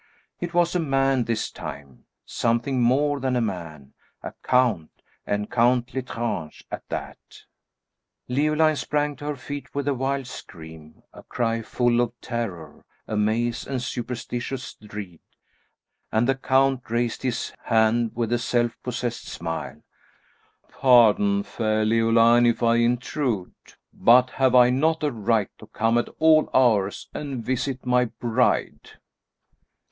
It was a man this time something more than a man, a count, and Count L'Estrange, at that! Leoline sprang to her feet with a wild scream, a cry full of terror, amaze, and superstitious dread; and the count raised his band with a self possessed smile. "Pardon, fair Leoline, if I intrude! But have I not a right to come at all hours and visit my bride?"